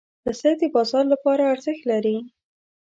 پسه د بازار لپاره ارزښت لري.